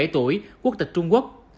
bốn mươi bảy tuổi quốc tịch trung quốc